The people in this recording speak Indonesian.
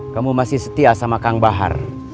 kamu masih setia sama kang bahar